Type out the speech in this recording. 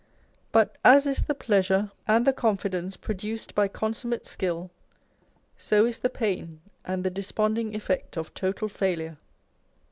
But as is the pleasure and the confidence produced by consummate skill, so is the pain and the desponding effect of total failure.